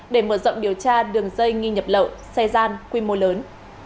để mở rộng điều tra đường dây nghi nhập lậu xe gian quy mô lớn